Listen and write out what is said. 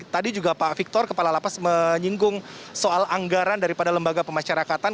tadi juga pak victor kepala lapas menyinggung soal anggaran daripada lembaga pemasyarakatan